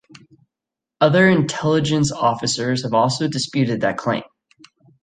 Other intelligence officers have also disputed that claim.